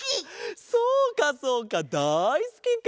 そうかそうかだいすきか！